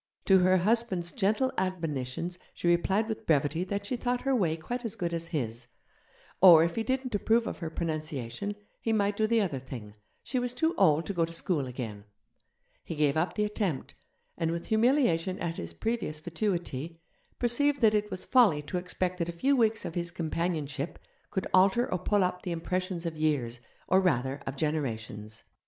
To her husband's gentle admonitions she replied with brevity that she thought her way quite as good as his; or, if he didn't approve of her pronunciation, he might do the other thing, she was too old to go to school again. He gave up the attempt, and, with humiliation at his previous fatuity, perceived that it was folly to expect that a few weeks of his companionship could alter or pull up the impressions of years, or rather of generations.